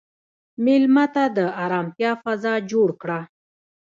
مېلمه ته د ارامتیا فضا جوړ کړه.